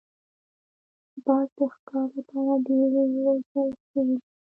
باز د ښکار لپاره ډېر روزل شوی دی